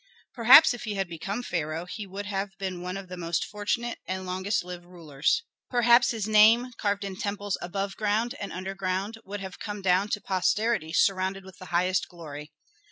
Perhaps if he had become pharaoh he would have been one of the most fortunate and longest lived rulers. Perhaps his name, carved in temples above ground and underground, would have come down to posterity surrounded with the highest glory.